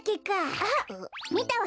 あっみたわね。